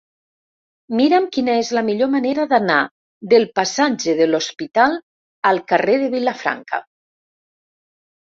Mira'm quina és la millor manera d'anar del passatge de l'Hospital al carrer de Vilafranca.